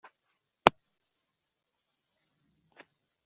yeguye ku mirimo